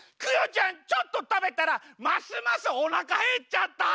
ちょっと食べたらますますおなかへっちゃった！